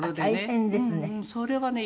それはね